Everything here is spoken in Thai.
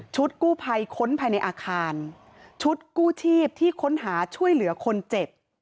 กู้ภัยค้นภายในอาคารชุดกู้ชีพที่ค้นหาช่วยเหลือคนเจ็บ